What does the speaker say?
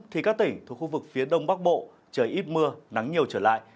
thì các tỉnh thuộc khu vực phía đông bắc bộ trời ít mưa nắng nhiều trở lại